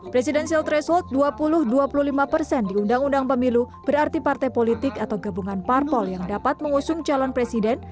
presidensial threshold dua puluh dua puluh lima persen di undang undang pemilu berarti partai politik atau gabungan parpol yang dapat mengusung calon presiden